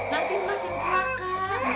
nanti mas yang celaka